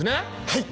はい。